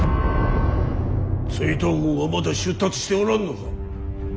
追討軍はまだ出立しておらんのか。